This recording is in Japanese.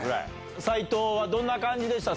斉藤はどんな感じでした？